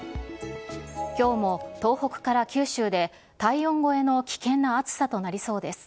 きょうも東北から九州で体温超えの危険な暑さとなりそうです。